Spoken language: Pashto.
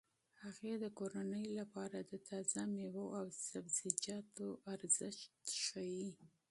هغې د کورنۍ لپاره د تازه میوو او سبزیجاتو اهمیت ښيي.